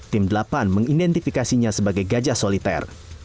tim delapan mengidentifikasinya sebagai gajah soliter